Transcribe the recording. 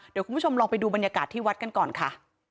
เดี๋ยวคุณผู้ชมลองไปดูบรรยากาศที่วัดกันก่อนค่ะ